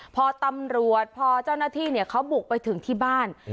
พอตำรวจพอเจ้าหน้าที่เขาบุกไปถึงที่บ้าน